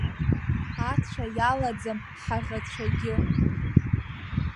Ацәа иалаӡам ҳаӷацәагьы.